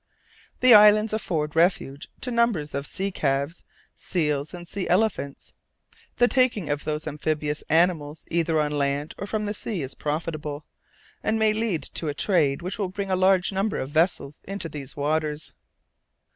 The islands afford refuge to numbers of sea calves, seals, and sea elephants. The taking of those amphibious animals either on land or from the sea is profitable, and may lead to a trade which will bring a large number of vessels into these waters.